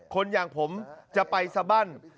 คนอย่างผมจะไปสบั้น